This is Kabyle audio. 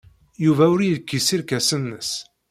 Yuba ur yekkis irkasen-nnes.